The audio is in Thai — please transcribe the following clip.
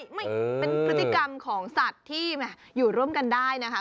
มันเป็นพฤติกรรมของสัตว์ที่อยู่ร่วมกันได้นะคะ